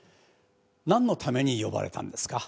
なんのために呼ばれたんですか？